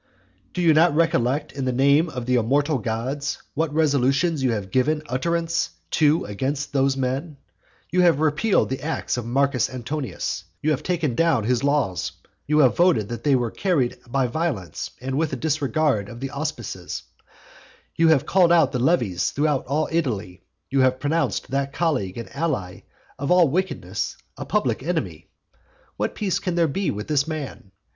III. Do you not recollect, in the name of the immortal gods! what resolutions you have given utterance to against those men? You have repealed the acts of Marcus Antonius; you have taken down his laws; you have voted that they were carried by violence, and with a disregard of the auspices; you have called out the levies throughout all Italy; you have pronounced that colleague and ally of all wickedness a public enemy. What peace can there be with this man?